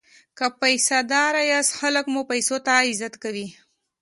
که پیسه داره یاست خلک مو پیسو ته عزت کوي.